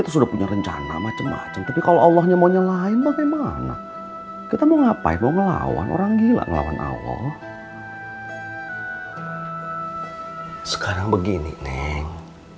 sekarang begini neng